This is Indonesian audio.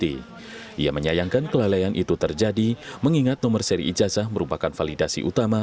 dia menyayangkan kelalaian itu terjadi mengingat nomor seri ijazah merupakan validasi utama